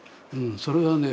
それはね